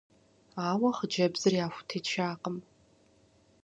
Ауэ хъыджэбзыр яхутечакъым.